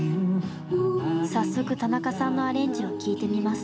早速田中さんのアレンジを聴いてみます。